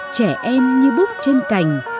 trẻ em như bút trên cành